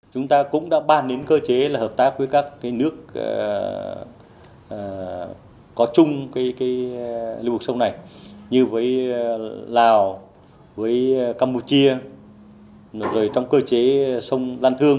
chúng ta cũng đã ban đến cơ chế là hợp tác với các nước có chung lưu vực sông này như với lào với campuchia rồi trong cơ chế sông lan thương